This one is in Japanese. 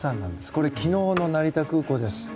これは昨日の成田空港です。